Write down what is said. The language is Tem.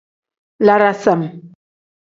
La dasam.